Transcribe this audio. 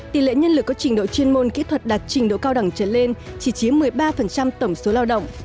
tỷ lệ nhân lực có trình độ chuyên môn kỹ thuật đạt trình độ cao đẳng trở lên chỉ chiếm một mươi ba tổng số lao động